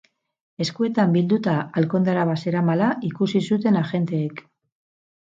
Eskuetan bilduta alkandora bat zeramala ikusi zuten agenteek.